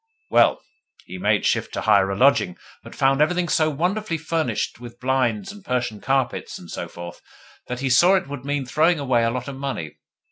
Well, he made shift to hire a lodging, but found everything so wonderfully furnished with blinds and Persian carpets and so forth that he saw it would mean throwing away a lot of money.